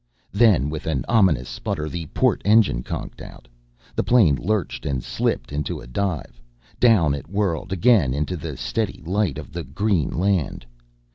Then, with an ominous sputter, the port engine conked out. The plane lurched and slipped into a dive. Down it whirled again into the steady light of the green land.